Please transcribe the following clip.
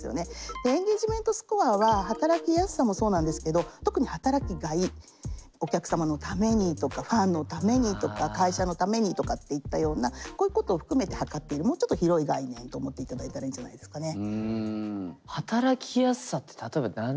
でエンゲージメントスコアは働きやすさもそうなんですけど特に働きがいお客様のためにとかファンのためにとか会社のためにとかっていったようなこういうことを含めて測っているもうちょっと広い概念と思っていただいたらいいんじゃないですかね。